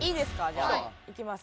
じゃあ。いきます。